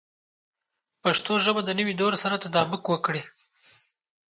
پښتو ژبه د نوي دور سره تطابق وکړي.